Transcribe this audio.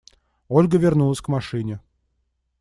Ольга вернулась к машине.